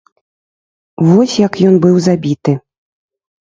Вось як ён быў забіты.